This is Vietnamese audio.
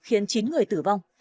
khiến chín người tử vong